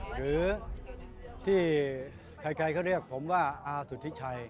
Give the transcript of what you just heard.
หรือที่ใครเขาเรียกผมว่าอาสุธิชัย